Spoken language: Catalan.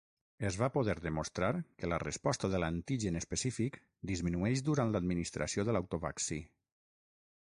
Es va poder demostrar que la resposta de l'antigen específic disminueix durant l'administració de l'autovaccí.